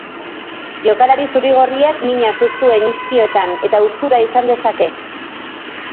Jokalari zuri-gorriak min hartu zuen iskioetan eta haustura izan dezake.